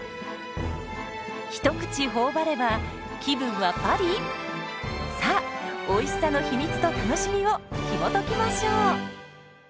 一口頬張れば気分はパリ⁉さあおいしさの秘密と楽しみをひもときましょう。